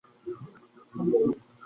তিনি জ্ঞান অর্জন করেন।